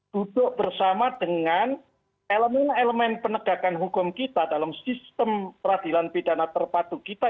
duduk bersama dengan elemen elemen penegakan hukum kita dalam sistem peradilan pidana terpatu kita